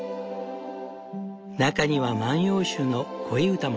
中には万葉集の恋歌も。